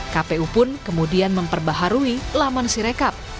kpu pun kemudian memperbaharui laman sirekap